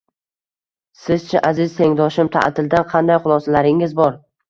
Siz-chi, aziz tengdoshim, ta’tildan qanday xulosalaringiz bor?